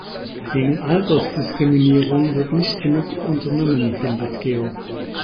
Gegen Altersdiskriminierung wird nicht genug unternommen, findet Georg.